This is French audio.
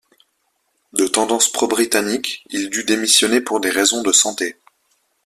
De tendance pro-britannique, il dut démissionner pour des raisons de santé.